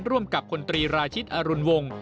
ร่วมกับคนตรีราชิตอรุณวงศ์